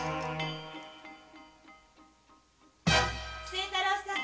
清太郎さん。